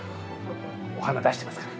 お花出してますから。